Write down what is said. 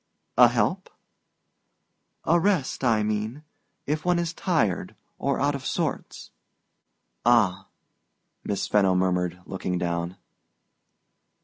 "A help?" "A rest, I mean...if one is tired or out of sorts." "Ah," Miss Fenno murmured, looking down.